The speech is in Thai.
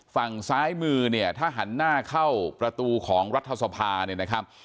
ฝั่งซ้ายมือเนี่ยถ้าหันหน้าเข้าประตูของรัฐสภาเนี่ยนะครับ